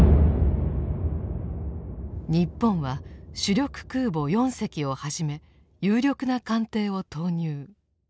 日本は主力空母４隻をはじめ有力な艦艇を投入。